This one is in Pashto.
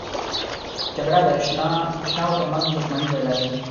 جګړه د اشناو ترمنځ دښمني پیدا کوي